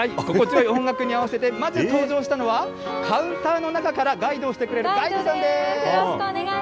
心地よい音楽に合わせてまず登場したのは、カウンターの中からガイドをしてくれるガイドさんです。